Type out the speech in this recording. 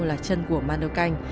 là chân của mano khanh